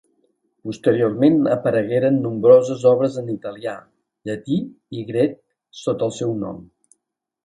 Posteriorment aparegueren nombroses obres en italià, llatí i grec sota el seu nom.